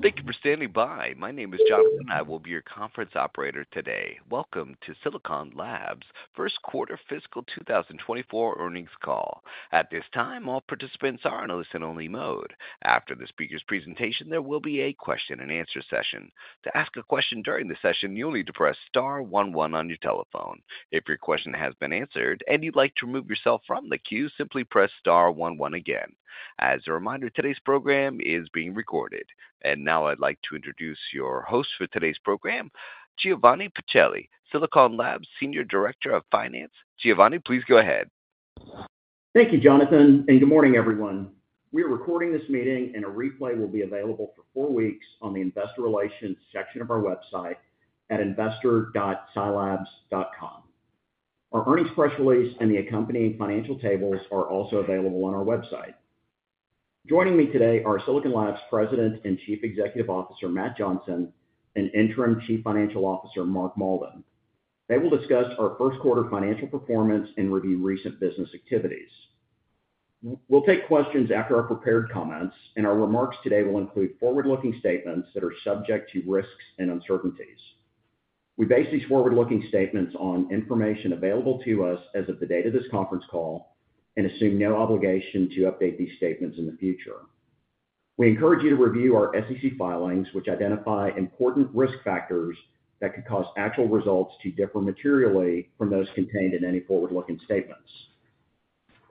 Thank you for standing by. My name is Jonathan. I will be your conference operator today. Welcome to Silicon Labs' First Quarter Fiscal 2024 Earnings Call. At this time, all participants are in a listen-only mode. After the speaker's presentation, there will be a question-and-answer session. To ask a question during the session, you'll need to press star one one on your telephone. If your question has been answered and you'd like to remove yourself from the queue, simply press star one one again. As a reminder, today's program is being recorded. Now I'd like to introduce your host for today's program, Giovanni Pacelli, Silicon Labs, Senior Director of Finance. Giovanni, please go ahead. Thank you, Jonathan, and good morning, everyone. We are recording this meeting, and a replay will be available for four weeks on the Investor Relations section of our website at investor.silabs.com. Our earnings press release and the accompanying financial tables are also available on our website. Joining me today are Silicon Labs President and Chief Executive Officer, Matt Johnson, and Interim Chief Financial Officer, Mark Mauldin. They will discuss our first quarter financial performance and review recent business activities. We'll take questions after our prepared comments, and our remarks today will include forward-looking statements that are subject to risks and uncertainties. We base these forward-looking statements on information available to us as of the date of this conference call and assume no obligation to update these statements in the future. We encourage you to review our SEC filings, which identify important risk factors that could cause actual results to differ materially from those contained in any forward-looking statements.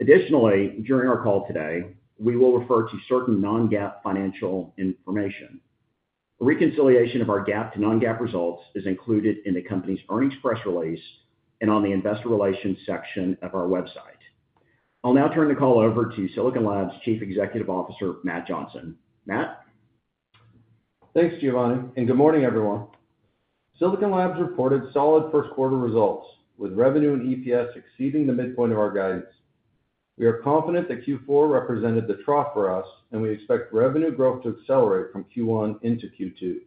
Additionally, during our call today, we will refer to certain non-GAAP financial information. A reconciliation of our GAAP to non-GAAP results is included in the company's earnings press release and on the Investor Relations section of our website. I'll now turn the call over to Silicon Labs' Chief Executive Officer, Matt Johnson. Matt? Thanks, Giovanni, and good morning, everyone. Silicon Labs reported solid first quarter results, with revenue and EPS exceeding the midpoint of our guidance. We are confident that Q4 represented the trough for us, and we expect revenue growth to accelerate from Q1 into Q2.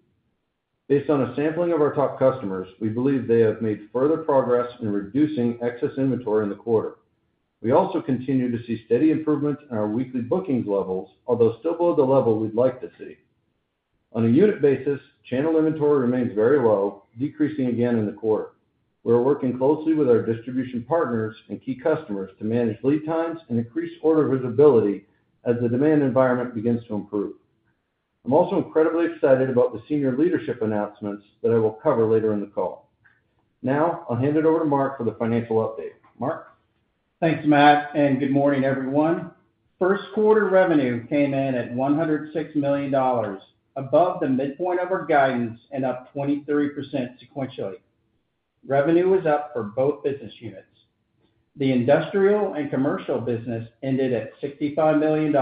Based on a sampling of our top customers, we believe they have made further progress in reducing excess inventory in the quarter. We also continue to see steady improvement in our weekly bookings levels, although still below the level we'd like to see. On a unit basis, channel inventory remains very low, decreasing again in the quarter. We're working closely with our distribution partners and key customers to manage lead times and increase order visibility as the demand environment begins to improve. I'm also incredibly excited about the senior leadership announcements that I will cover later in the call. Now, I'll hand it over to Mark for the financial update. Mark? Thanks, Matt, and good morning, everyone. First quarter revenue came in at $106 million, above the midpoint of our guidance and up 23% sequentially. Revenue was up for both business units. The Industrial and Commercial business ended at $65 million,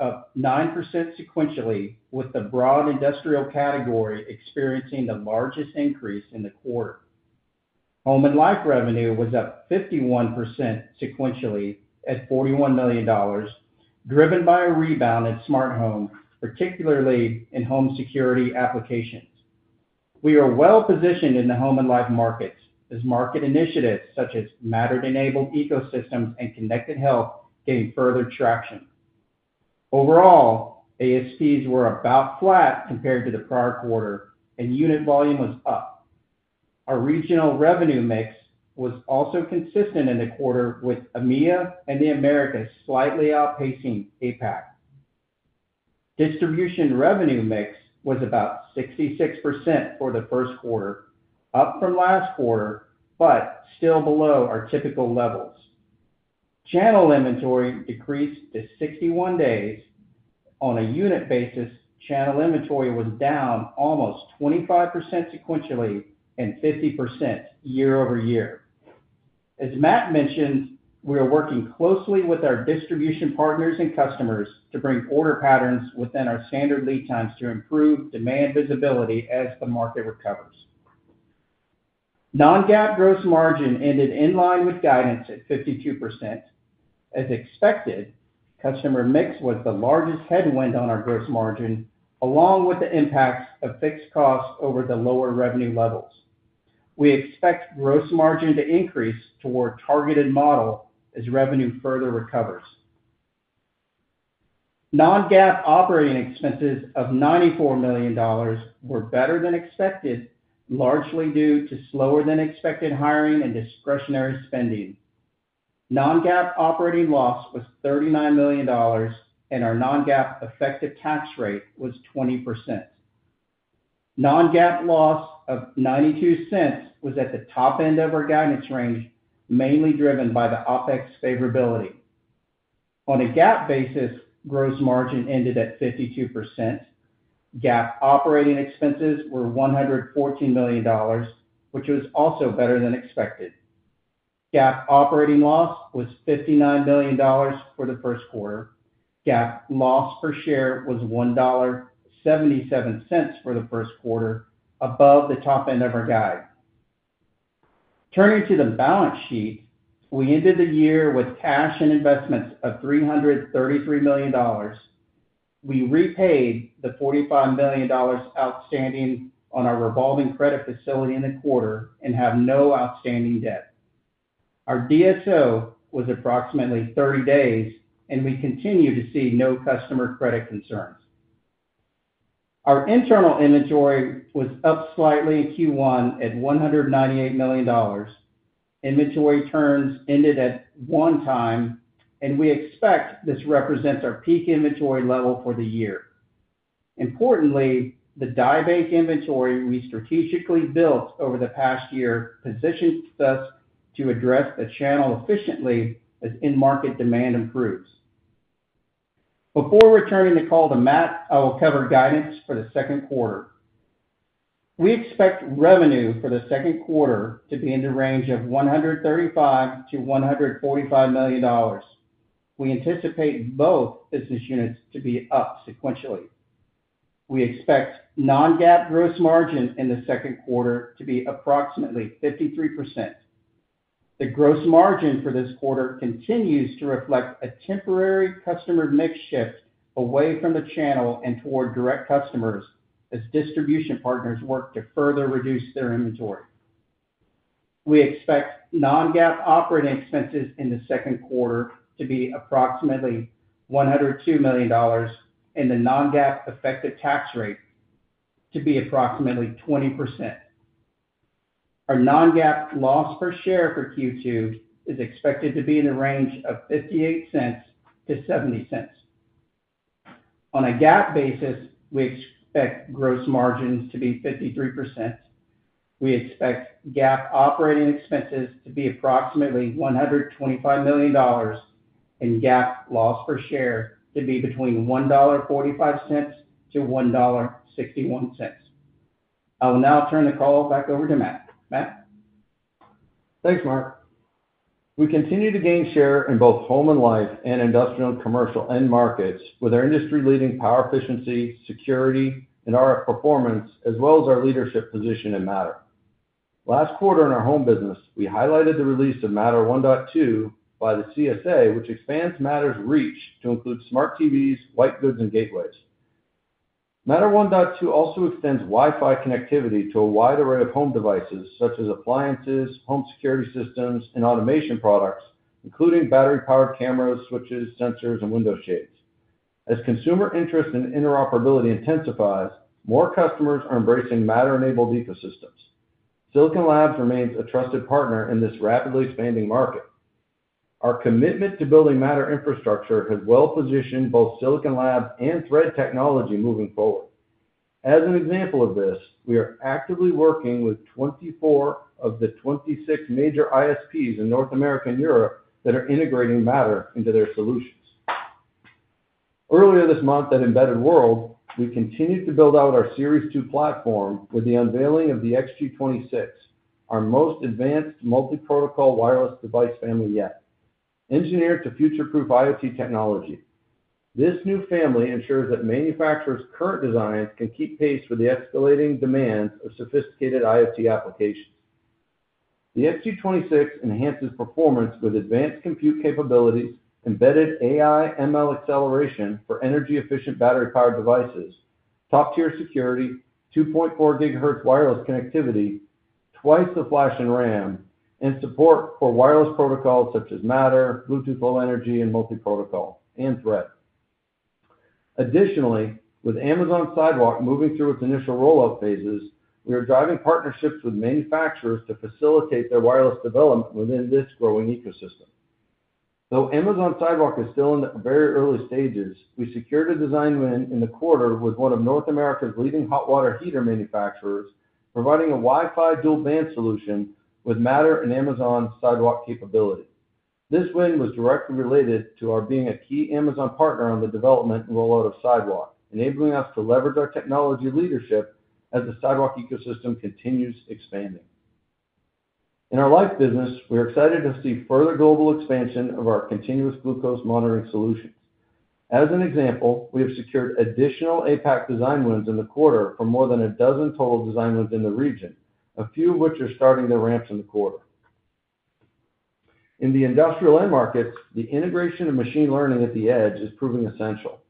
up 9% sequentially, with the broad industrial category experiencing the largest increase in the quarter. Home and life revenue was up 51% sequentially at $41 million, driven by a rebound in smart home, particularly in home security applications. We are well positioned in the Home and Life markets, as market initiatives such as Matter-enabled ecosystems and connected health gain further traction. Overall, ASPs were about flat compared to the prior quarter, and unit volume was up. Our regional revenue mix was also consistent in the quarter, with EMEA and the Americas slightly outpacing APAC. Distribution revenue mix was about 66% for the first quarter, up from last quarter, but still below our typical levels. Channel inventory decreased to 61 days. On a unit basis, channel inventory was down almost 25% sequentially and 50% year-over-year. As Matt mentioned, we are working closely with our distribution partners and customers to bring order patterns within our standard lead times to improve demand visibility as the market recovers. Non-GAAP gross margin ended in line with guidance at 52%. As expected, customer mix was the largest headwind on our gross margin, along with the impacts of fixed costs over the lower revenue levels. We expect gross margin to increase toward targeted model as revenue further recovers. Non-GAAP operating expenses of $94 million were better than expected, largely due to slower than expected hiring and discretionary spending. Non-GAAP operating loss was $39 million, and our non-GAAP effective tax rate was 20%. Non-GAAP loss of $0.92 was at the top end of our guidance range, mainly driven by the OpEx favorability. On a GAAP basis, gross margin ended at 52%. GAAP operating expenses were $114 million, which was also better than expected. GAAP operating loss was $59 million for the first quarter. GAAP loss per share was $1.77 for the first quarter, above the top end of our guide. Turning to the balance sheet, we ended the year with cash and investments of $333 million. We repaid the $45 million outstanding on our revolving credit facility in the quarter and have no outstanding debt. Our DSO was approximately 30 days, and we continue to see no customer credit concerns. Our internal inventory was up slightly in Q1 at $198 million. Inventory turns ended at 1 time, and we expect this represents our peak inventory level for the year. Importantly, the die bank inventory we strategically built over the past year positions us to address the channel efficiently as in-market demand improves. Before returning the call to Matt, I will cover guidance for the second quarter. We expect revenue for the second quarter to be in the range of $135 million-$145 million. We anticipate both business units to be up sequentially. We expect non-GAAP gross margin in the second quarter to be approximately 53%. The gross margin for this quarter continues to reflect a temporary customer mix shift away from the channel and toward direct customers, as distribution partners work to further reduce their inventory. We expect non-GAAP operating expenses in the second quarter to be approximately $102 million, and the non-GAAP effective tax rate to be approximately 20%. Our non-GAAP loss per share for Q2 is expected to be in the range of $0.58-$0.70. On a GAAP basis, we expect gross margins to be 53%. We expect GAAP operating expenses to be approximately $125 million, and GAAP loss per share to be between $1.45-$1.61. I will now turn the call back over to Matt. Matt? Thanks, Mark. We continue to gain share in both Home and Life and Industrial and Commercial end markets with our industry-leading power efficiency, security, and RF performance, as well as our leadership position in Matter. Last quarter in our home business, we highlighted the release of Matter 1.2 by the CSA, which expands Matter's reach to include smart TVs, white goods, and gateways. Matter 1.2 also extends Wi-Fi connectivity to a wide array of home devices, such as appliances, home security systems, and automation products, including battery-powered cameras, switches, sensors, and window shades. As consumer interest in interoperability intensifies, more customers are embracing Matter-enabled ecosystems. Silicon Labs remains a trusted partner in this rapidly expanding market. Our commitment to building Matter infrastructure has well positioned both Silicon Labs and Thread technology moving forward. As an example of this, we are actively working with 24 of the 26 major ISPs in North America and Europe that are integrating Matter into their solutions. Earlier this month at Embedded World, we continued to build out our Series 2 platform with the unveiling of the xG26, our most advanced multi-protocol wireless device family yet. Engineered to future-proof IoT technology, this new family ensures that manufacturers' current designs can keep pace with the escalating demands of sophisticated IoT applications. The xG26 enhances performance with advanced compute capabilities, embedded AI, ML acceleration for energy-efficient battery-powered devices, top-tier security, 2.4 GHz wireless connectivity, twice the flash and RAM, and support for wireless protocols such as Matter, Bluetooth Low Energy, and multi-protocol and Thread. Additionally, with Amazon Sidewalk moving through its initial rollout phases, we are driving partnerships with manufacturers to facilitate their wireless development within this growing ecosystem. Though Amazon Sidewalk is still in the very early stages, we secured a design win in the quarter with one of North America's leading hot water heater manufacturers, providing a Wi-Fi dual-band solution with Matter and Amazon Sidewalk capability. This win was directly related to our being a key Amazon partner on the development and rollout of Sidewalk, enabling us to leverage our technology leadership as the Sidewalk ecosystem continues expanding. In our life business, we are excited to see further global expansion of our continuous glucose monitoring solutions. As an example, we have secured additional APAC design wins in the quarter for more than 12 total design wins in the region, a few of which are starting their ramps in the quarter. In the industrial end markets, the integration of machine learning at the edge is proving essential.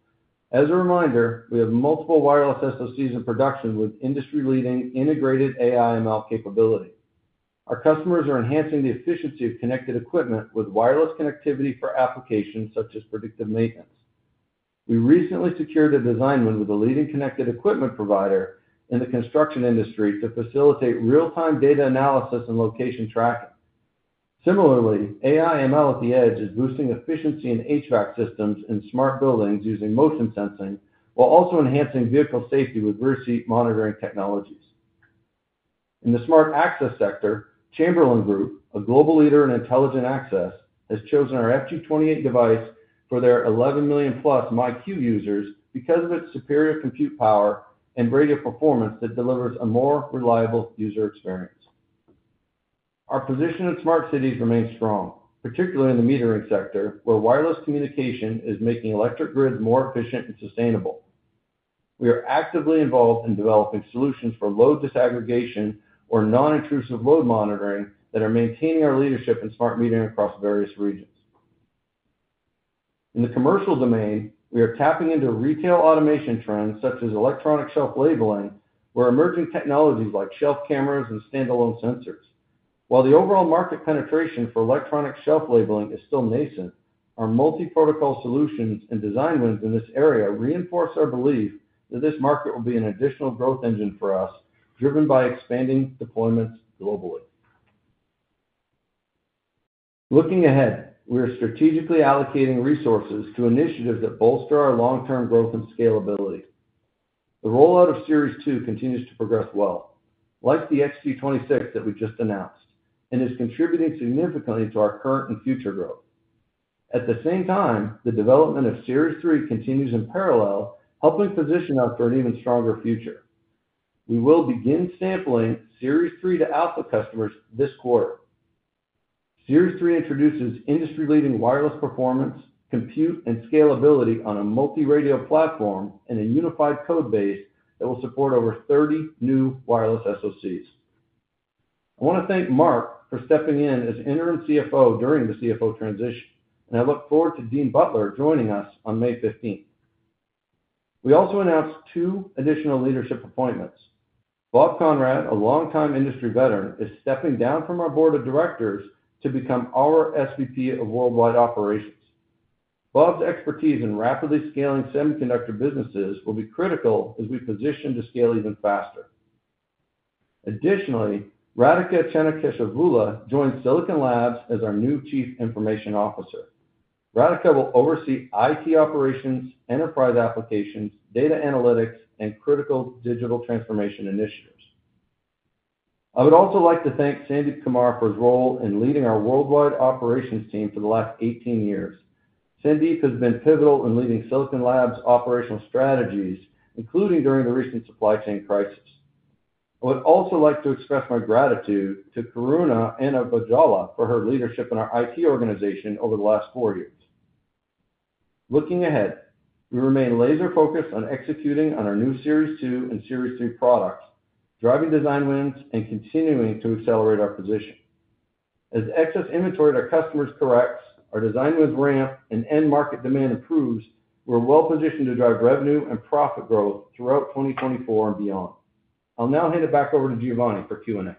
As a reminder, we have multiple wireless SoCs in production with industry-leading integrated AI/ML capability. Our customers are enhancing the efficiency of connected equipment with wireless connectivity for applications such as predictive maintenance. We recently secured a design win with a leading connected equipment provider in the construction industry to facilitate real-time data analysis and location tracking. Similarly, AI/ML at the edge is boosting efficiency in HVAC systems and smart buildings using motion sensing, while also enhancing vehicle safety with rear seat monitoring technologies. In the smart access sector, Chamberlain Group, a global leader in intelligent access, has chosen our FG28 device for their 11 million plus MyQ users because of its superior compute power and radio performance that delivers a more reliable user experience. Our position in smart cities remains strong, particularly in the metering sector, where wireless communication is making electric grids more efficient and sustainable. We are actively involved in developing solutions for load disaggregation or non-intrusive load monitoring that are maintaining our leadership in smart metering across various regions. In the commercial domain, we are tapping into retail automation trends, such as electronic shelf labeling, where emerging technologies like shelf cameras and standalone sensors. While the overall market penetration for electronic shelf labeling is still nascent, our multi-protocol solutions and design wins in this area reinforce our belief that this market will be an additional growth engine for us, driven by expanding deployments globally. Looking ahead, we are strategically allocating resources to initiatives that bolster our long-term growth and scalability. The rollout of Series 2 continues to progress well, like the xG26 that we just announced, and is contributing significantly to our current and future growth. At the same time, the development of Series 3 continues in parallel, helping position us for an even stronger future. We will begin sampling Series 3 to alpha customers this quarter. Series 3 introduces industry-leading wireless performance, compute, and scalability on a multi-radio platform and a unified code base that will support over 30 new wireless SoCs. I want to thank Mark for stepping in as interim CFO during the CFO transition, and I look forward to Dean Butler joining us on May fifteenth. We also announced two additional leadership appointments. Bob Conrad, a longtime industry veteran, is stepping down from our board of directors to become our SVP of Worldwide Operations. Bob's expertise in rapidly scaling semiconductor businesses will be critical as we position to scale even faster. Additionally, Radhika Chennakeshavula joins Silicon Labs as our new Chief Information Officer. Radhika will oversee IT operations, enterprise applications, data analytics, and critical digital transformation initiatives. I would also like to thank Sandeep Kumar for his role in leading our worldwide operations team for the last 18 years. Sandeep has been pivotal in leading Silicon Labs' operational strategies, including during the recent supply chain crisis. I would also like to express my gratitude to Karuna Annavajjala for her leadership in our IT organization over the last 4 years. Looking ahead, we remain laser-focused on executing on our new Series 2 and Series 3 products, driving design wins, and continuing to accelerate our position. As excess inventory at our customers corrects, our design wins ramp, and end market demand improves, we're well positioned to drive revenue and profit growth throughout 2024 and beyond. I'll now hand it back over to Giovanni for Q&A.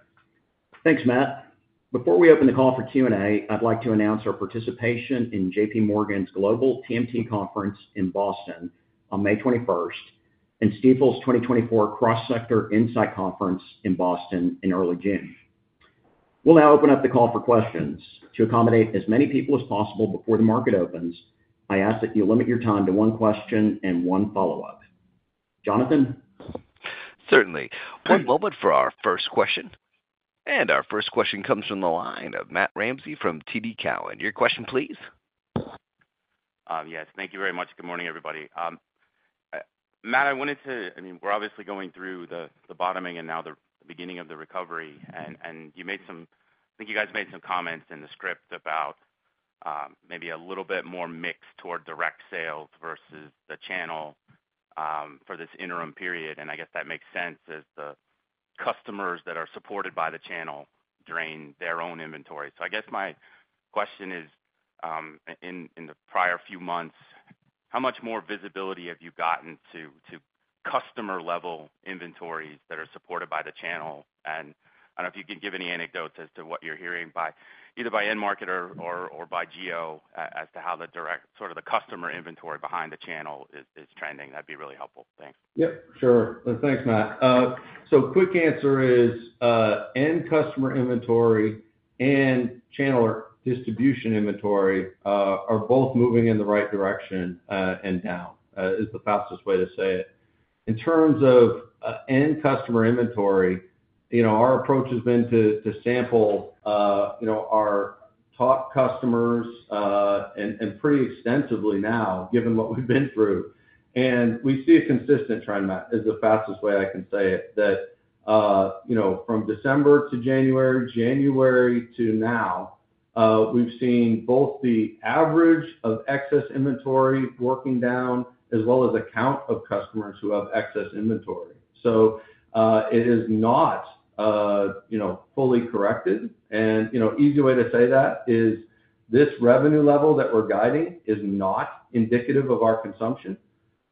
Thanks, Matt. Before we open the call for Q&A, I'd like to announce our participation in J.P. Morgan's Global TMT Conference in Boston on May 21st, and Stifel's 2024 Cross-Sector Insight Conference in Boston in early June. We'll now open up the call for questions. To accommodate as many people as possible before the market opens, I ask that you limit your time to one question and one follow-up. Jonathan? Certainly. One moment for our first question. Our first question comes from the line of Matt Ramsay from TD Cowen. Your question, please. Yes, thank you very much. Good morning, everybody. Matt, I wanted to, I mean, we're obviously going through the, the bottoming and now the beginning of the recovery, and, and you made some, I think you guys made some comments in the script about, maybe a little bit more mix toward direct sales versus the channel, for this interim period, and I guess that makes sense as the customers that are supported by the channel drain their own inventory. I guess my question is, in, in the prior few months, how much more visibility have you gotten to, to customer-level inventories that are supported by the channel? I don't know if you can give any anecdotes as to what you're hearing by either end market or by geo, as to how the direct, sort of the customer inventory behind the channel is trending. That'd be really helpful. Thanks. Yep, sure. Thanks, Matt. So quick answer is, end customer inventory and channel or distribution inventory, are both moving in the right direction, and down, is the fastest way to say it. In terms of, end customer inventory, you know, our approach has been to, to sample, you know, our top customers, and, and pretty extensively now, given what we've been through. And we see a consistent trend, Matt, is the fastest way I can say it, that, you know, from December to January, January to now, we've seen both the average of excess inventory working down, as well as the count of customers who have excess inventory. So, it is not, you know, fully corrected. You know, easy way to say that is this revenue level that we're guiding is not indicative of our consumption,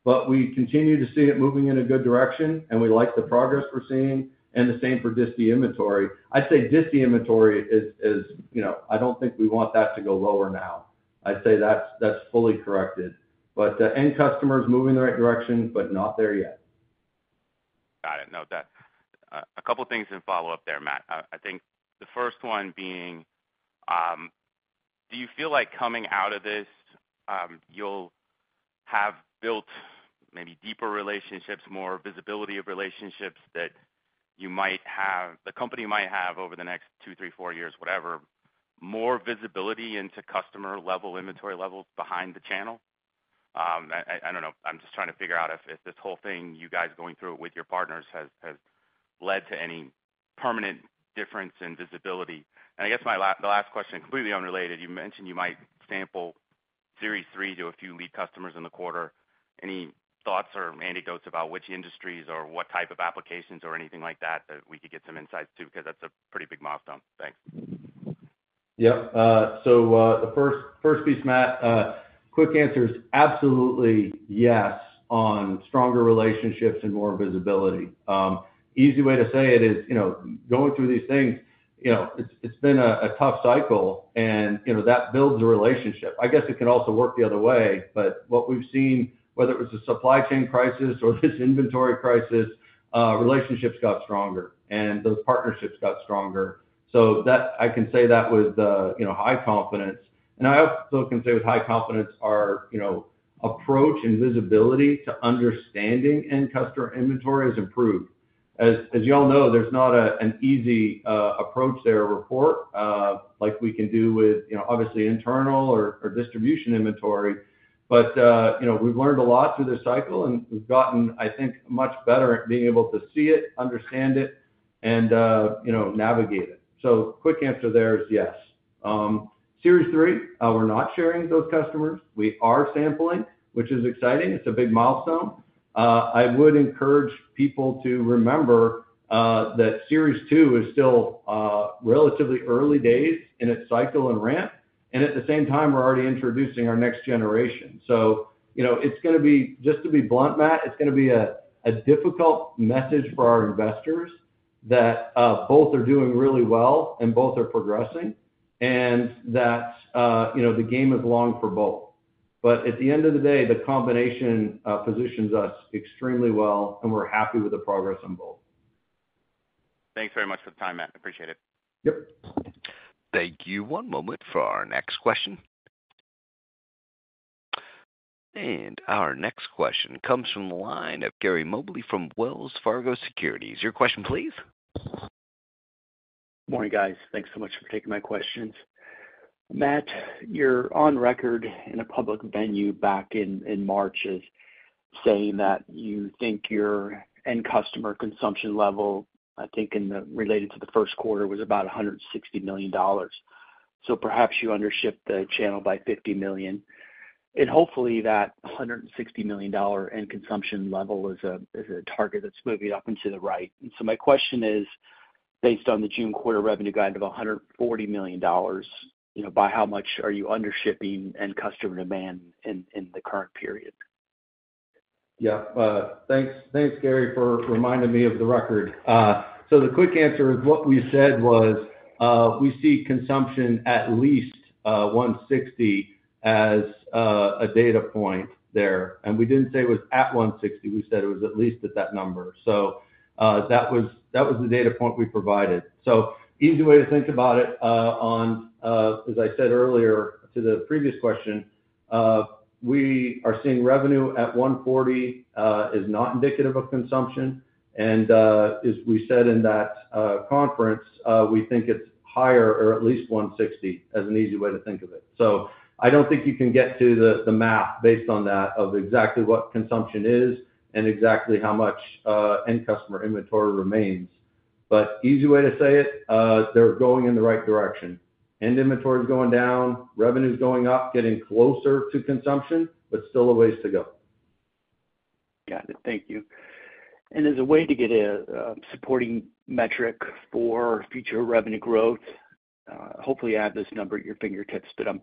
but we continue to see it moving in a good direction, and we like the progress we're seeing, and the same for disty inventory. I'd say disty inventory is, you know, I don't think we want that to go lower now. I'd say that's fully corrected. But, end customer is moving in the right direction, but not there yet. Got it. No, that. A couple things in follow-up there, Matt. I think the first one being, do you feel like coming out of this, you'll have built maybe deeper relationships, more visibility of relationships that you might have the company might have over the next two, three, four years, whatever, more visibility into customer-level inventory levels behind the channel? I don't know. I'm just trying to figure out if this whole thing, you guys going through it with your partners, has led to any permanent difference in visibility. And I guess my last the last question, completely unrelated, you mentioned you might sample Series 3 to a few lead customers in the quarter. Any thoughts or anecdotes about which industries or what type of applications or anything like that, that we could get some insights to? Because that's a pretty big milestone. Thanks. Yep. So, the first piece, Matt, quick answer is absolutely yes on stronger relationships and more visibility. Easy way to say it is, you know, going through these things, you know, it's been a tough cycle, and, you know, that builds a relationship. I guess it can also work the other way, but what we've seen, whether it was a supply chain crisis or this inventory crisis, relationships got stronger, and those partnerships got stronger. So, that I can say that with, you know, high confidence. I also can say with high confidence our, you know, approach and visibility to understanding end customer inventory has improved. As you all know, there's not an easy approach there or report, like we can do with, you know, obviously internal or distribution inventory. But, you know, we've learned a lot through this cycle, and we've gotten, I think, much better at being able to see it, understand it, and, you know, navigate it. So quick answer there is yes. Series 3, we're not sharing those customers. We are sampling, which is exciting. It's a big milestone. I would encourage people to remember, that Series 2 is still, relatively early days in its cycle and ramp, and at the same time, we're already introducing our next generation. So, you know, it's gonna be. Just to be blunt, Matt, it's gonna be a, a difficult message for our investors that, both are doing really well and both are progressing, and that, you know, the game is long for both. But at the end of the day, the combination positions us extremely well, and we're happy with the progress on both. Thanks very much for the time, Matt. Appreciate it. Yep. Thank you. One moment for our next question. Our next question comes from the line of Gary Mobley from Wells Fargo Securities. Your question, please? Morning, guys. Thanks so much for taking my questions. Matt, you're on record in a public venue back in, in March as saying that you think your end customer consumption level, I think related to the first quarter, was about $160 million. So perhaps you undershipped the channel by $50 million. And hopefully that $160 million end consumption level is a target that's moving up and to the right. And so my question is, based on the June quarter revenue guide of $140 million, you know, by how much are you undershipping end customer demand in the current period? Yeah. Thanks, thanks, Gary, for reminding me of the record. So the quick answer is what we said was, we see consumption at least $160 as a data point there, and we didn't say it was at $160, we said it was at least at that number. So, that was, that was the data point we provided. So easy way to think about it, on, as I said earlier to the previous question, we are seeing revenue at $140, is not indicative of consumption. And, as we said in that conference, we think it's higher or at least $160, as an easy way to think of it. So I don't think you can get to the math based on that of exactly what consumption is and exactly how much end customer inventory remains. But easy way to say it, they're going in the right direction. End inventory is going down, revenue is going up, getting closer to consumption, but still a ways to go. Got it. Thank you. And as a way to get a supporting metric for future revenue growth, hopefully you have this number at your fingertips, but I'm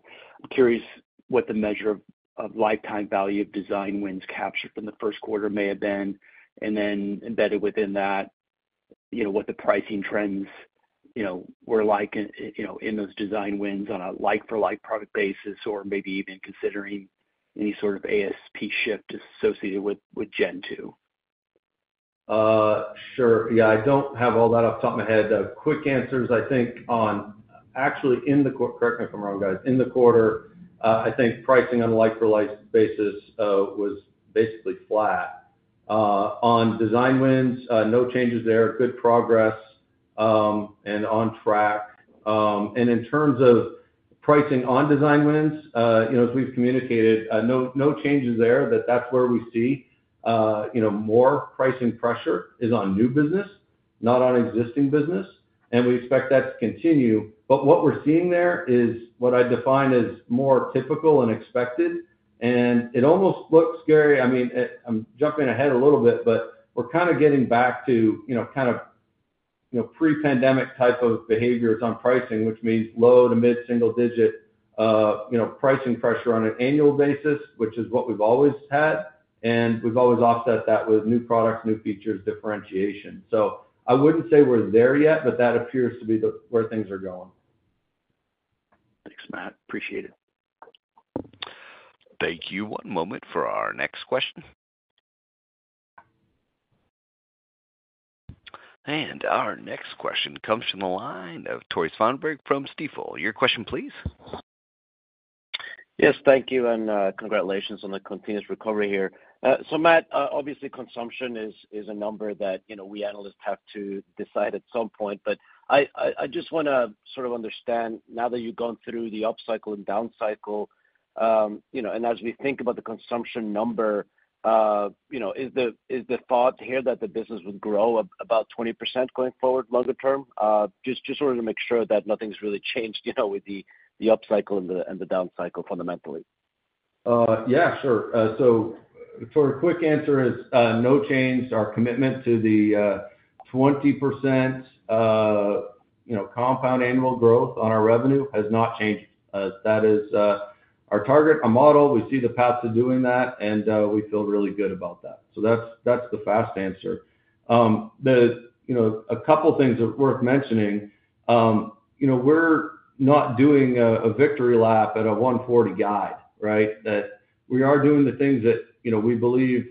curious what the measure of lifetime value of design wins captured in the first quarter may have been, and then embedded within that, you know, what the pricing trends, you know, were like you know, in those design wins on a like-for-like product basis or maybe even considering any sort of ASP shift associated with Gen Two. Sure. Yeah, I don't have all that off the top of my head. Quick answer is, I think, actually, correct me if I'm wrong, guys, in the quarter, I think pricing on a like-for-like basis was basically flat. On design wins, no changes there. Good progress, and on track. And in terms of pricing on design wins, you know, as we've communicated, no, no changes there. That that's where we see, you know, more pricing pressure is on new business, not on existing business, and we expect that to continue. But what we're seeing there is what I define as more typical and expected, and it almost looks, Gary, I mean, I'm jumping ahead a little bit, but we're kind of getting back to, you know, kind of, you know, pre-pandemic type of behaviors on pricing, which means low to mid-single digit, you know, pricing pressure on an annual basis, which is what we've always had, and we've always offset that with new products, new features, differentiation. So I wouldn't say we're there yet, but that appears to be the, where things are going. Thanks, Matt. Appreciate it. Thank you. One moment for our next question. Our next question comes from the line of Tore Svanberg from Stifel. Your question, please. Yes, thank you, and congratulations on the continuous recovery here. So Matt, obviously, consumption is a number that, you know, we analysts have to decide at some point, but I just wanna sort of understand, now that you've gone through the upcycle and downcycle, you know, and as we think about the consumption number, you know, is the thought here that the business would grow about 20% going forward, longer term? Just wanted to make sure that nothing's really changed, you know, with the upcycle and the downcycle fundamentally. Yeah, sure. So for a quick answer is, no change. Our commitment to the, 20%, you know, compound annual growth on our revenue has not changed. That is, our target, a model. We see the path to doing that, and, we feel really good about that. So that's, that's the fast answer. The, you know, a couple of things are worth mentioning. You know, we're not doing a, a victory lap at a $140 guide, right? That we are doing the things that, you know, we believe,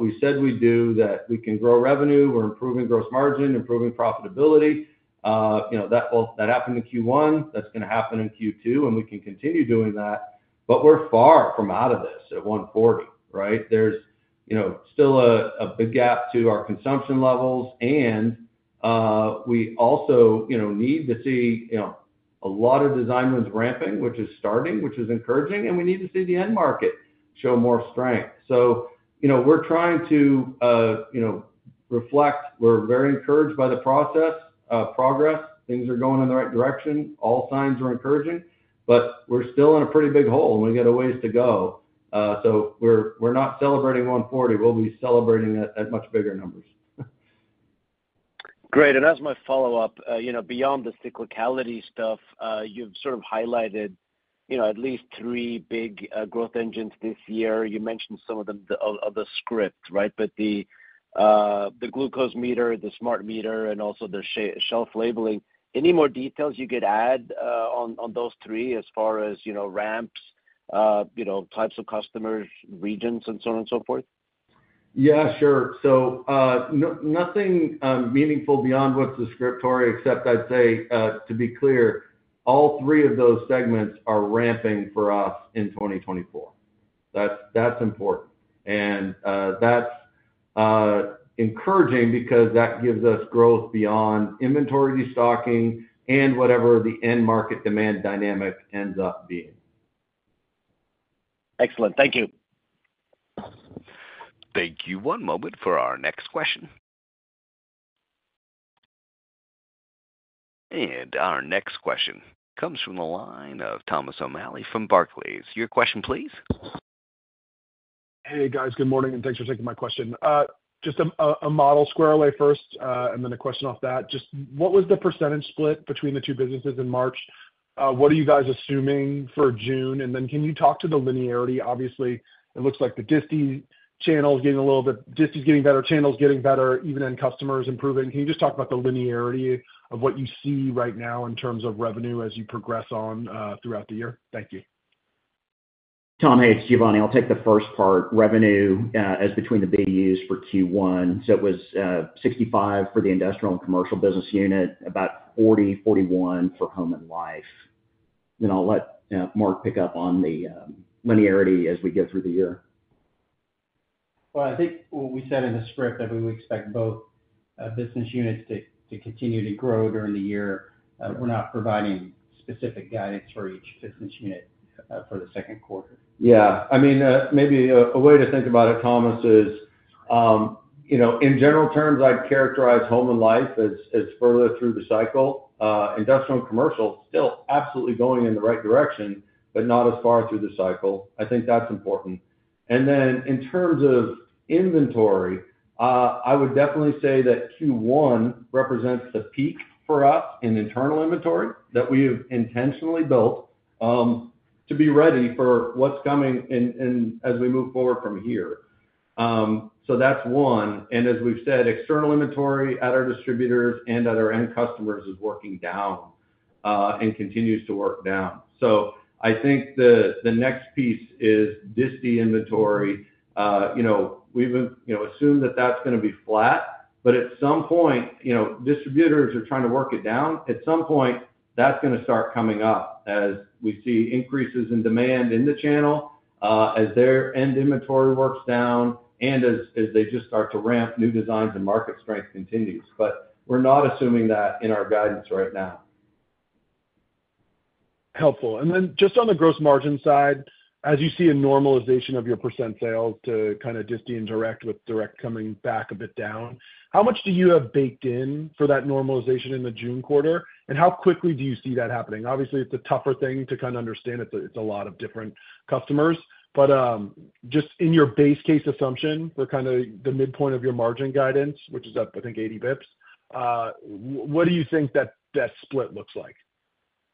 we said we'd do, that we can grow revenue. We're improving gross margin, improving profitability. You know, that will, that happened in Q1, that's gonna happen in Q2, and we can continue doing that, but we're far from out of this at $140, right? There's, you know, still a big gap to our consumption levels, and we also, you know, need to see, you know, a lot of design wins ramping, which is starting, which is encouraging, and we need to see the end market show more strength. So, you know, we're trying to, you know, reflect. We're very encouraged by the process, progress. Things are going in the right direction. All signs are encouraging, but we're still in a pretty big hole, and we got a ways to go. So we're not celebrating 140. We'll be celebrating at much bigger numbers. Great. And as my follow-up, you know, beyond the cyclicality stuff, you've sort of highlighted, you know, at least three big growth engines this year. You mentioned some of them, the script, right? But the glucose meter, the smart meter, and also the shelf labeling. Any more details you could add on those three as far as, you know, ramps, you know, types of customers, regions, and so on and so forth? Yeah, sure. So, nothing meaningful beyond what's in the script, except I'd say, to be clear, all three of those segments are ramping for us in 2024. That's, that's important. And, that's encouraging because that gives us growth beyond inventory stocking and whatever the end market demand dynamic ends up being. Excellent. Thank you. Thank you. One moment for our next question. Our next question comes from the line of Thomas O'Malley from Barclays. Your question, please. Hey, guys. Good morning, and thanks for taking my question. Just a model squaring away first, and then a question off that. Just what was the percentage split between the two businesses in March? What are you guys assuming for June? And then can you talk to the linearity? Obviously, it looks like the disti channel is getting a little bit. disti is getting better, channel is getting better, even end customers improving. Can you just talk about the linearity of what you see right now in terms of revenue as you progress on throughout the year? Thank you. Tom, hey, it's Giovanni. I'll take the first part. Revenue as between the BDUs for Q1, so it was $65 for the Industrial and Commercial business unit, about $40-$41 for Home and Life. Then I'll let Mark pick up on the linearity as we get through the year. Well, I think what we said in the script, that we would expect both business units to continue to grow during the year. We're not providing specific guidance for each business unit for the second quarter. Yeah. I mean, maybe a way to think about it, Thomas, is, you know, in general terms, I'd characterize Home and Life as further through the cycle. Industrial and commercial, still absolutely going in the right direction, but not as far through the cycle. I think that's important. And then in terms of inventory, I would definitely say that Q1 represents the peak for us in internal inventory that we have intentionally built to be ready for what's coming in as we move forward from here. So that's one. And as we've said, external inventory at our distributors and at our end customers is working down and continues to work down. So I think the next piece is disti inventory. You know, we've, you know, assumed that that's gonna be flat, but at some point, you know, distributors are trying to work it down. At some point, that's gonna start coming up as we see increases in demand in the channel, as their end inventory works down and as they just start to ramp new designs and market strength continues. But we're not assuming that in our guidance right now. Helpful. And then just on the gross margin side, as you see a normalization of your percent sales to kinda disti and direct, with direct coming back a bit down, how much do you have baked in for that normalization in the June quarter, and how quickly do you see that happening? Obviously, it's a tougher thing to kind of understand. It's a, it's a lot of different customers. But just in your base case assumption for kinda the midpoint of your margin guidance, which is up, I think, 80 basis points, what do you think that split looks like?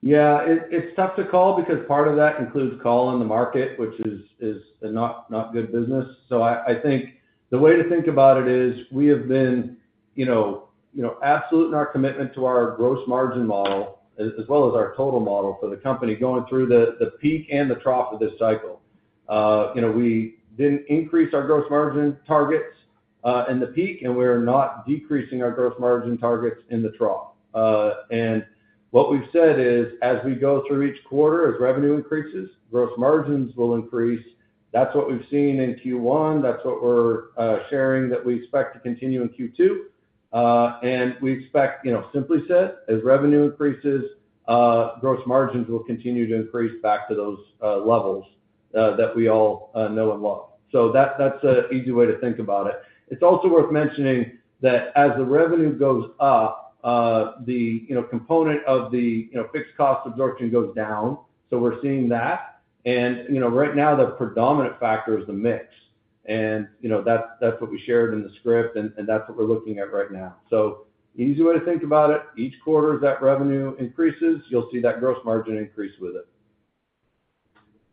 Yeah, it's tough to call because part of that includes call on the market, which is not a good business. So I think the way to think about it is, we have been, you know, you know, absolute in our commitment to our gross margin model, as well as our total model for the company, going through the peak and the trough of this cycle. You know, we didn't increase our gross margin targets in the peak, and we are not decreasing our gross margin targets in the trough. And what we've said is, as we go through each quarter, as revenue increases, gross margins will increase. That's what we've seen in Q1. That's what we're sharing, that we expect to continue in Q2. And we expect, you know, simply said, as revenue increases, gross margins will continue to increase back to those levels that we all know and love. So that's an easy way to think about it. It's also worth mentioning that as the revenue goes up, you know, the component of the fixed cost absorption goes down, so we're seeing that. You know, right now, the predominant factor is the mix... and, you know, that's what we shared in the script, and that's what we're looking at right now. Easy way to think about it, each quarter that revenue increases, you'll see that gross margin increase with it.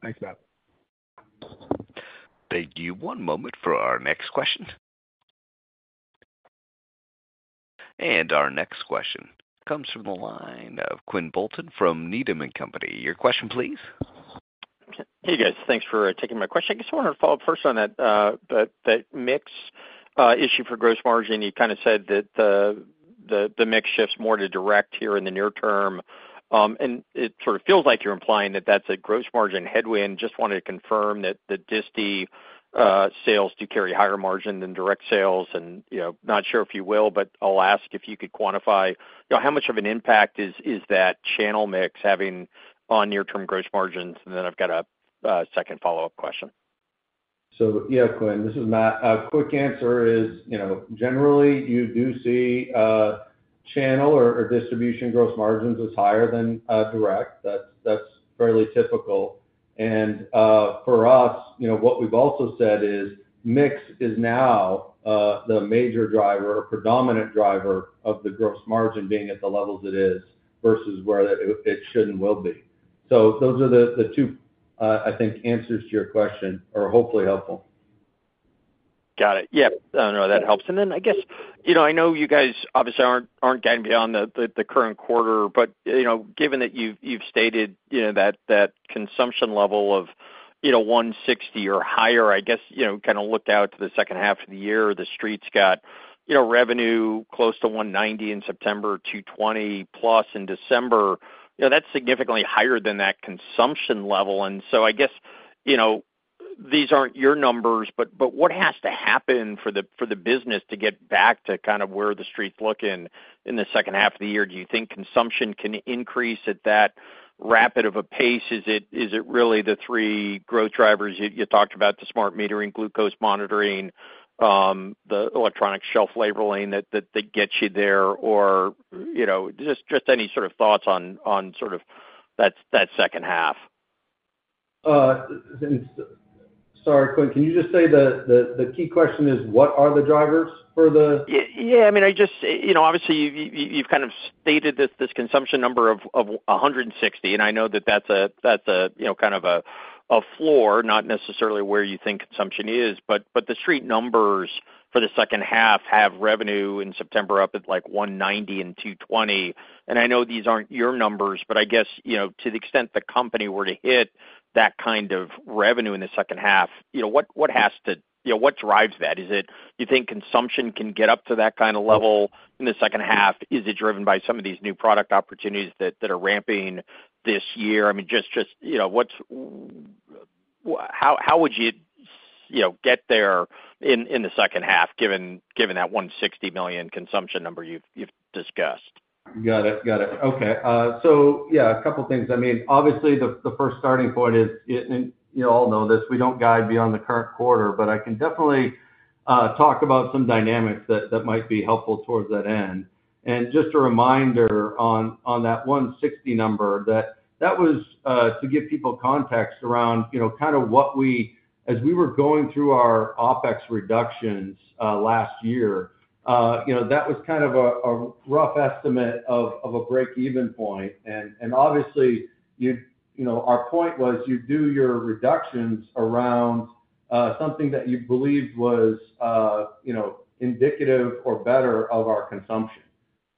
Thanks, Matt. Thank you. One moment for our next question. Our next question comes from the line of Quinn Bolton from Needham and Company. Your question, please. Hey, guys. Thanks for taking my question. I just wanted to follow up first on that, that mix issue for gross margin. You kind of said that the mix shifts more to direct here in the near term, and it sort of feels like you're implying that that's a gross margin headwind. Just wanted to confirm that the disty sales do carry a higher margin than direct sales and, you know, not sure if you will, but I'll ask if you could quantify, you know, how much of an impact is that channel mix having on near-term gross margins? And then I've got a second follow-up question. So, yeah, Quinn, this is Matt. Quick answer is, you know, generally, you do see channel or distribution gross margins as higher than direct. That's fairly typical. And for us, you know, what we've also said is, mix is now the major driver or predominant driver of the gross margin being at the levels it is, versus where it should and will be. So those are the two, I think, answers to your question, or hopefully helpful. Got it. Yep. No, that helps. And then I guess, you know, I know you guys obviously aren't getting beyond the current quarter, but, you know, given that you've stated, you know, that consumption level of, you know, $160 or higher, I guess, you know, kind of looked out to the second half of the year, the street's got, you know, revenue close to $190 in September, $220+ in December. You know, that's significantly higher than that consumption level. And so I guess, you know, these aren't your numbers, but what has to happen for the business to get back to kind of where the street's looking in the second half of the year? Do you think consumption can increase at that rapid of a pace? Is it really the three growth drivers you talked about, the smart metering, glucose monitoring, the electronic shelf labeling, that get you there? Or, you know, just any sort of thoughts on sort of that second half. Sorry, Quinn, can you just say the key question is, what are the drivers for the- Yeah, I mean, I just, you know, obviously, you've kind of stated this, this consumption number of $160, and I know that that's a, that's a, you know, kind of a, a floor, not necessarily where you think consumption is, but, but the street numbers for the second half have revenue in September up at, like, $190 and $220. And I know these aren't your numbers, but I guess, you know, to the extent the company were to hit that kind of revenue in the second half, you know, what, what has to, you know, what drives that? Is it you think consumption can get up to that kind of level in the second half? Is it driven by some of these new product opportunities that, that are ramping this year? I mean, just, you know, what's. How would you, you know, get there in the second half, given that $160 million consumption number you've discussed? Got it. Got it. Okay. So yeah, a couple things. I mean, obviously, the first starting point is, and you all know this, we don't guide beyond the current quarter, but I can definitely talk about some dynamics that might be helpful towards that end. Just a reminder on that $160 number, that was to give people context around, you know, kind of what we—as we were going through our OpEx reductions last year, you know, that was kind of a rough estimate of a break-even point. And obviously, you know, our point was, you do your reductions around something that you believed was, you know, indicative or better of our consumption. You wouldn't,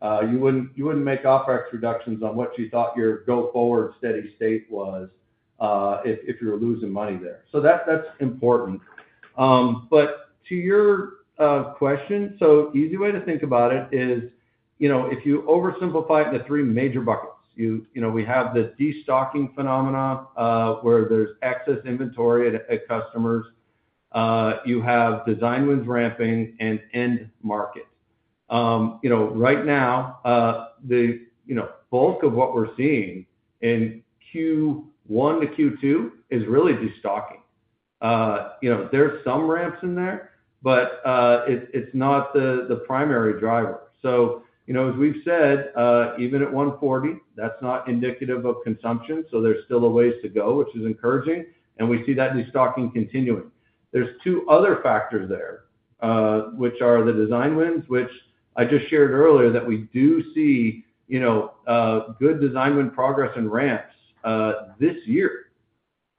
you wouldn't make OpEx reductions on what you thought your go-forward steady state was, if you're losing money there. So that's important. But to your question, so easy way to think about it is, you know, if you oversimplify it, the three major buckets. You know, we have this destocking phenomena, where there's excess inventory at customers. You have design wins ramping and end markets. You know, right now, the bulk of what we're seeing in Q1 to Q2 is really destocking. You know, there are some ramps in there, but it's not the primary driver. So, you know, as we've said, even at $140, that's not indicative of consumption, so there's still a ways to go, which is encouraging, and we see that destocking continuing. are two other factors there, which are the design wins, which I just shared earlier, that we do see, you know, good design win progress and ramps, this year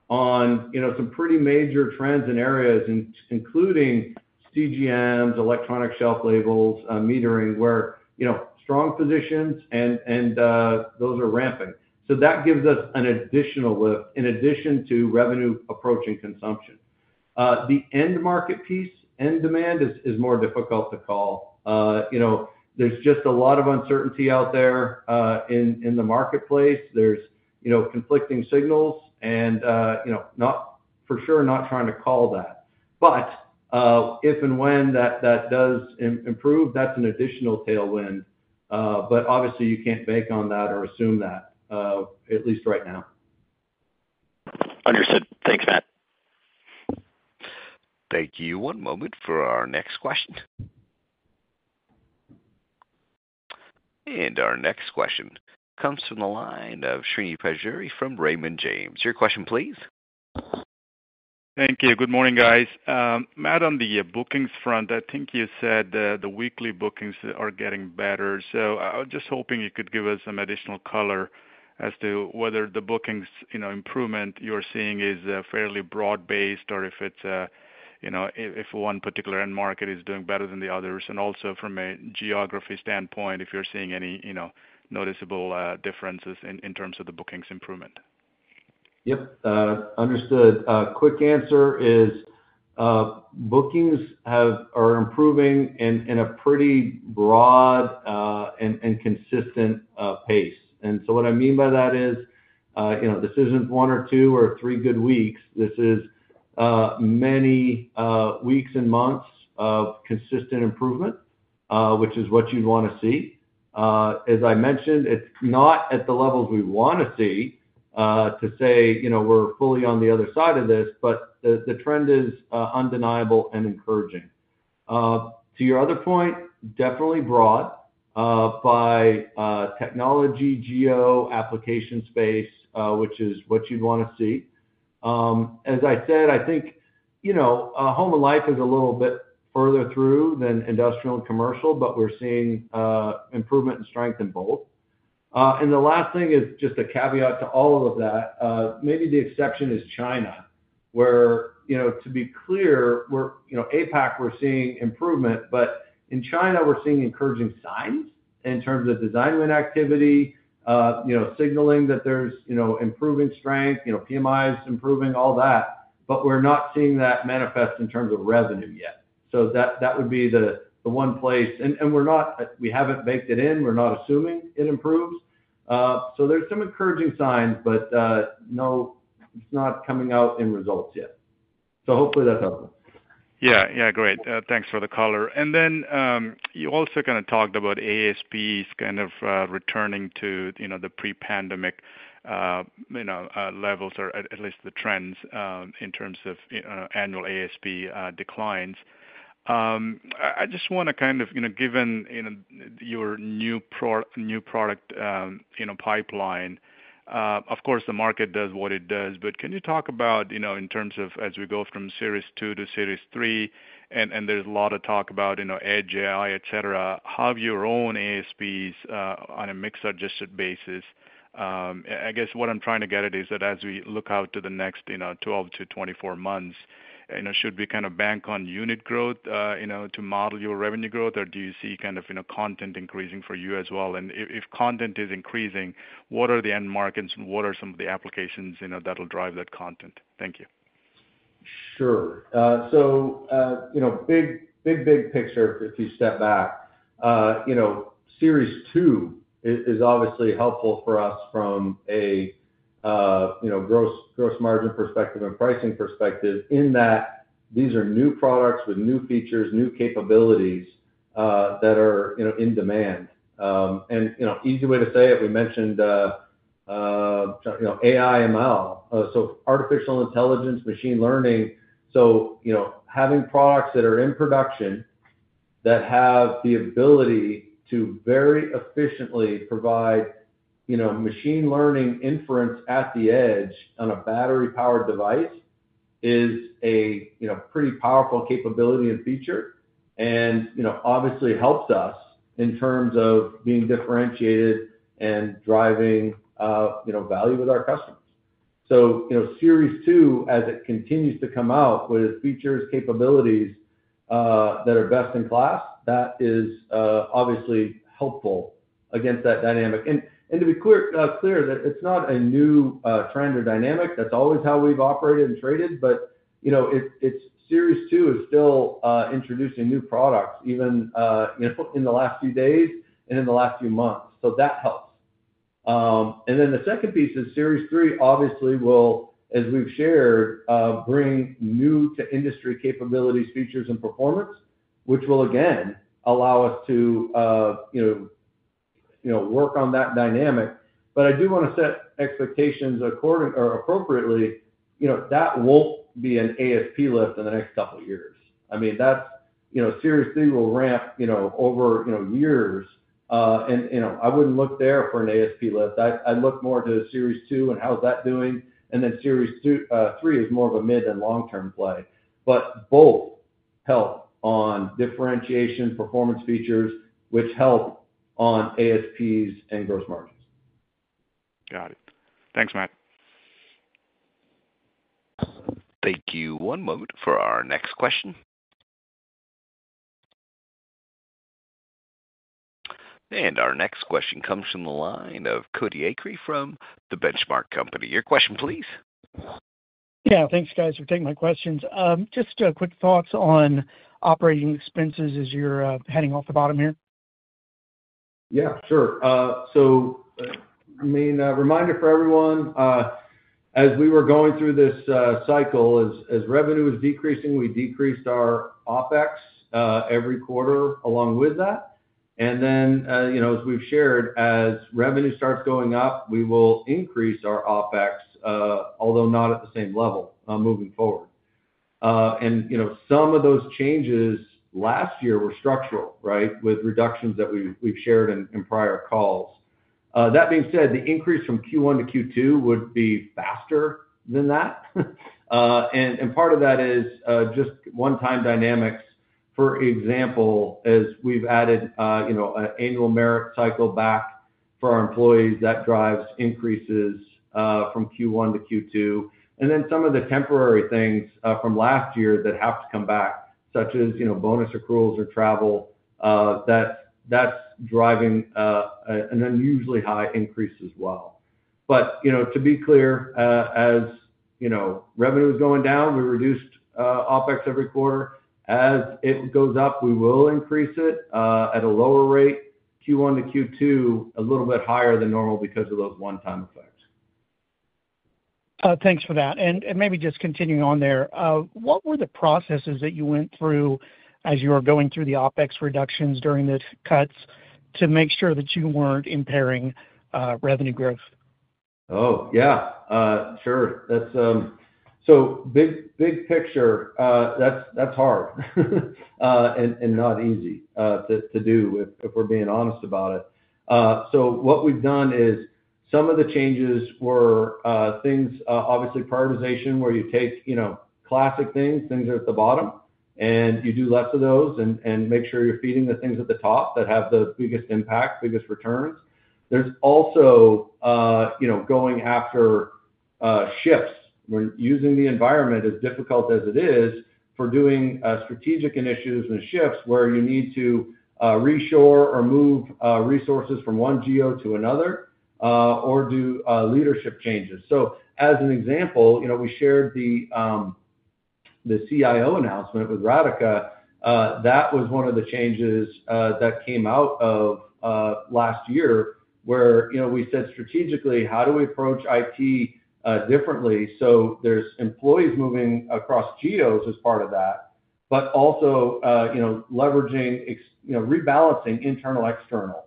on, you know, some pretty major trends and areas including CGMs, electronic shelf labels, metering, where, you know, strong positions and those are ramping. So that gives us an additional lift in addition to revenue approaching consumption. The end market piece, end demand is more difficult to call. You know, there's just a lot of uncertainty out there, in the marketplace. There's, you know, conflicting signals and, you know, not for sure not trying to call that. But, if and when that does improve, that's an additional tailwind. But obviously, you can't bank on that or assume that, at least right now. Understood. Thanks, Matt. Thank you. One moment for our next question. Our next question comes from the line of Srini Pajjuri from Raymond James. Your question, please? Thank you. Good morning, guys. Matt, on the bookings front, I think you said the weekly bookings are getting better. So I was just hoping you could give us some additional color as to whether the bookings, you know, improvement you're seeing is fairly broad-based, or if it's, you know, if one particular end market is doing better than the others, and also from a geography standpoint, if you're seeing any, you know, noticeable differences in terms of the bookings improvement. Yep, understood. Quick answer is, bookings are improving in a pretty broad and consistent pace. And so what I mean by that is, you know, this isn't one or two or three good weeks. This is many weeks and months of consistent improvement, which is what you'd wanna see. As I mentioned, it's not at the levels we wanna see to say, you know, we're fully on the other side of this, but the trend is undeniable and encouraging. To your other point, definitely broad by technology, geo, application space, which is what you'd wanna see. As I said, I think, you know, Home and Life is a little bit further through than Industrial and Commercial, but we're seeing improvement and strength in both. And the last thing is just a caveat to all of that. Maybe the exception is China, where, you know, to be clear, we're, you know, APAC, we're seeing improvement, but in China, we're seeing encouraging signs in terms of design win activity, you know, signaling that there's, you know, improving strength, you know, PMIs improving, all that, but we're not seeing that manifest in terms of revenue yet. So that would be the one place. And we haven't baked it in. We're not assuming it improves. So there's some encouraging signs, but, no, it's not coming out in results yet. So hopefully that helps. Yeah. Yeah, great. Thanks for the color. And then, you also kinda talked about ASPs kind of returning to, you know, the pre-pandemic, you know, levels or at least the trends, in terms of annual ASP declines. I just wanna kind of, you know, given, you know, your new product pipeline, of course, the market does what it does, but can you talk about, you know, in terms of as we go from Series 2 to Series 3, and there's a lot of talk about, you know, edge, AI, et cetera, how have your own ASPs on a mix-adjusted basis. I guess what I'm trying to get at is that as we look out to the next, you know, 12-24 months, you know, should we kind of bank on unit growth, you know, to model your revenue growth, or do you see kind of, you know, content increasing for you as well? And if content is increasing, what are the end markets and what are some of the applications, you know, that'll drive that content? Thank you. Sure. So, you know, big, big, big picture, if you step back, you know, Series 2 is obviously helpful for us from a, you know, gross, gross margin perspective and pricing perspective, in that these are new products with new features, new capabilities that are, you know, in demand. And, you know, easy way to say it, we mentioned, you know, AI, ML, so artificial intelligence, machine learning. So, you know, having products that are in production, that have the ability to very efficiently provide, you know, machine learning inference at the edge on a battery-powered device is a, you know, pretty powerful capability and feature, and, you know, obviously helps us in terms of being differentiated and driving, you know, value with our customers. So, you know, Series 2, as it continues to come out with its features, capabilities, that are best in class, that is, obviously helpful against that dynamic. And to be clear, that it's not a new trend or dynamic. That's always how we've operated and traded, but, you know, it, it's Series 2 is still introducing new products, even in the last few days and in the last few months. So that helps. And then the second piece is Series 3 obviously will, as we've shared, bring new to industry capabilities, features, and performance, which will again allow us to, you know, you know, work on that dynamic. But I do wanna set expectations according or appropriately, you know, that won't be an ASP lift in the next couple years. I mean, that's, you know, Series 3 will ramp, you know, over, you know, years. And, you know, I wouldn't look there for an ASP lift. I'd look more to Series 2 and how is that doing, and then Series 2, three is more of a mid and long-term play, but both help on differentiation, performance features, which help on ASPs and gross margins. Got it. Thanks, Matt. Thank you. One moment for our next question. Our next question comes from the line of Cody Acree from The Benchmark Company. Your question, please? Yeah, thanks, guys, for taking my questions. Just quick thoughts on operating expenses as you're heading off the bottom here. Yeah, sure. So, I mean, a reminder for everyone, as we were going through this cycle, as revenue was decreasing, we decreased our OpEx every quarter along with that. And then, you know, as we've shared, as revenue starts going up, we will increase our OpEx, although not at the same level, moving forward, and, you know, some of those changes last year were structural, right? With reductions that we've shared in prior calls. That being said, the increase from Q1 to Q2 would be faster than that. And part of that is just one-time dynamics, for example, as we've added, you know, an annual merit cycle back for our employees, that drives increases from Q1 to Q2. And then some of the temporary things from last year that have to come back, such as, you know, bonus accruals or travel, that's driving an unusually high increase as well. But, you know, to be clear, as you know, revenue is going down, we reduced OpEx every quarter. As it goes up, we will increase it at a lower rate, Q1 to Q2, a little bit higher than normal because of those one-time effects. Thanks for that. And maybe just continuing on there, what were the processes that you went through as you were going through the OpEx reductions during the cuts to make sure that you weren't impairing revenue growth? Oh, yeah, sure. That's So big, big picture, that's, that's hard, and, and not easy, to, to do if, if we're being honest about it. So what we've done is some of the changes were, things, obviously prioritization, where you take, you know, classic things, things are at the bottom, and you do less of those and, and make sure you're feeding the things at the top that have the biggest impact, biggest returns. There's also, you know, going after, shifts, where using the environment as difficult as it is for doing, strategic initiatives and shifts, where you need to, reshore or move, resources from one geo to another, or do, leadership changes. So as an example, you know, we shared the, the CIO announcement with Radhika. That was one of the changes that came out of last year, where, you know, we said strategically, how do we approach IT differently? So there's employees moving across geos as part of that, but also, you know, leveraging ex- you know, rebalancing internal, external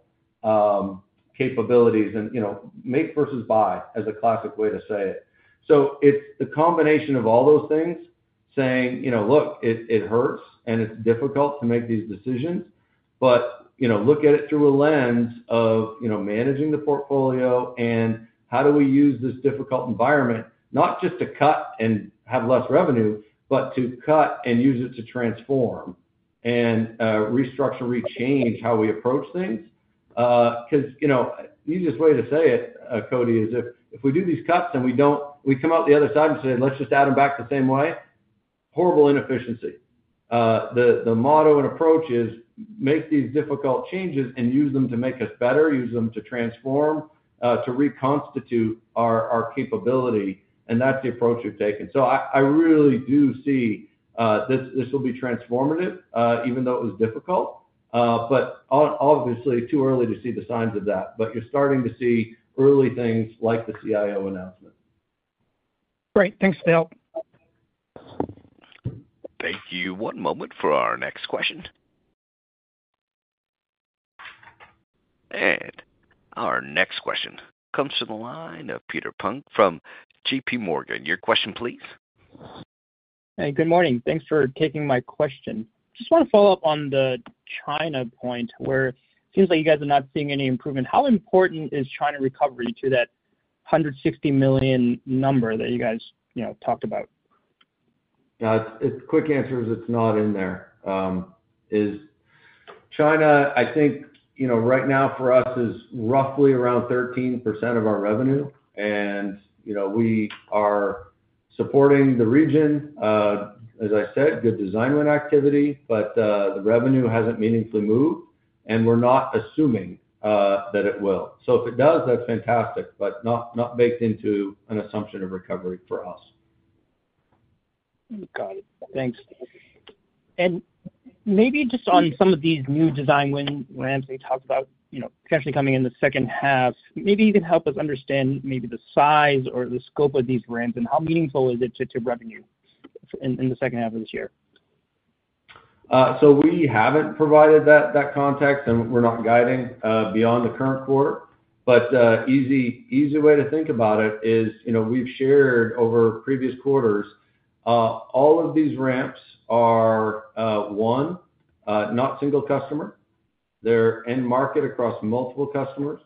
capabilities and, you know, make versus buy, as a classic way to say it. So it's the combination of all those things, saying, you know, look, it, it hurts and it's difficult to make these decisions, but, you know, look at it through a lens of, you know, managing the portfolio and how do we use this difficult environment, not just to cut and have less revenue, but to cut and use it to transform and restructure, rechange how we approach things. Because, you know, easiest way to say it, Cody, is if we do these cuts, then we don't, we come out the other side and say, "Let's just add them back the same way," horrible inefficiency. The motto and approach is, make these difficult changes and use them to make us better, use them to transform, to reconstitute our capability, and that's the approach we've taken. So I really do see this will be transformative, even though it was difficult, but obviously, too early to see the signs of that. But you're starting to see early things like the CIO announcement. Great. Thanks for the help. Thank you. One moment for our next question. Our next question comes from the line of Peter Peng from J.P. Morgan. Your question please. Hey, good morning. Thanks for taking my question. Just want to follow up on the China point, where it seems like you guys are not seeing any improvement. How important is China recovery to that $160 million number that you guys, you know, talked about? Yeah, the quick answer is it's not in there. China, I think, you know, right now for us, is roughly around 13% of our revenue, and, you know, we are supporting the region. As I said, good design win activity, but the revenue hasn't meaningfully moved, and we're not assuming that it will. So if it does, that's fantastic, but not baked into an assumption of recovery for us. Got it. Thanks. Maybe just on some of these new design win ramps we talked about, you know, potentially coming in the second half. Maybe you can help us understand maybe the size or the scope of these ramps and how meaningful is it to revenue in the second half of this year? So we haven't provided that, that context, and we're not guiding beyond the current quarter. But easy, easy way to think about it is, you know, we've shared over previous quarters all of these ramps are one not single customer. They're end market across multiple customers,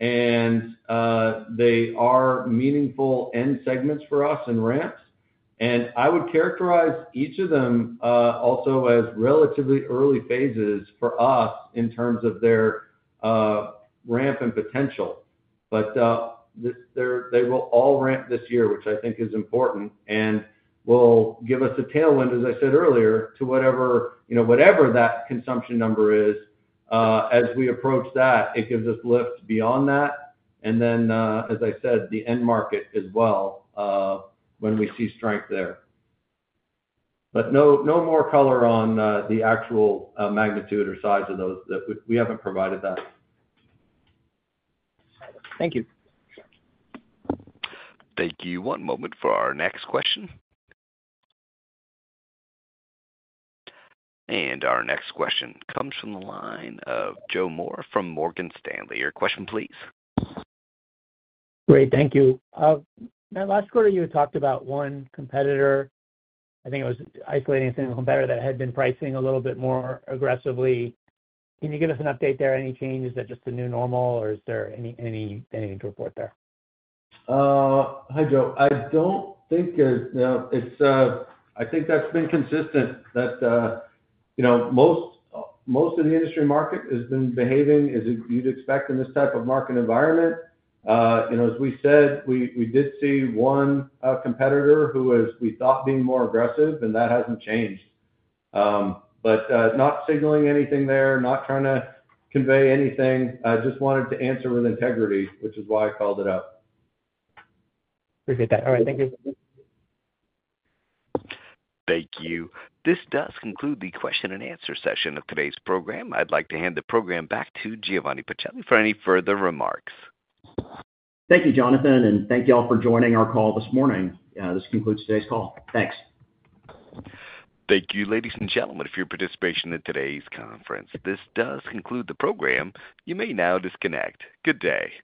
and they are meaningful end segments for us in ramps. And I would characterize each of them also as relatively early phases for us in terms of their ramp and potential. But they will all ramp this year, which I think is important and will give us a tailwind, as I said earlier, to whatever, you know, whatever that consumption number is. As we approach that, it gives us lift beyond that, and then, as I said, the end market as well when we see strength there. But no, no more color on the actual magnitude or size of those. We haven't provided that. Thank you. Thank you. One moment for our next question. Our next question comes from the line of Joe Moore from Morgan Stanley. Your question please. Great, thank you. Now last quarter, you had talked about one competitor. I think it was isolating a single competitor that had been pricing a little bit more aggressively. Can you give us an update there, any change? Is that just the new normal or is there any, anything to report there? Hi, Joe. I don't think there's, it's, I think that's been consistent, that, you know, most, most of the industry market has been behaving as you'd expect in this type of market environment. You know, as we said, we, we did see one competitor who was, we thought, being more aggressive, and that hasn't changed. But, not signaling anything there, not trying to convey anything. I just wanted to answer with integrity, which is why I called it out. Appreciate that. All right, thank you. Thank you. This does conclude the question and answer session of today's program. I'd like to hand the program back to Giovanni Pacelli for any further remarks. Thank you, Jonathan, and thank you all for joining our call this morning. This concludes today's call. Thanks. Thank you, ladies and gentlemen, for your participation in today's conference. This does conclude the program. You may now disconnect. Good day!